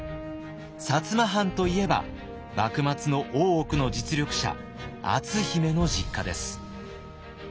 薩摩藩といえば幕末の大奥の実力者篤姫の実家です。